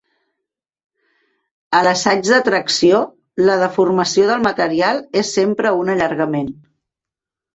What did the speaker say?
A l'assaig de tracció, la deformació del material és sempre un allargament.